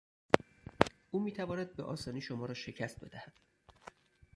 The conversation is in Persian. او میتواند به آسانی شما را شکست بدهد.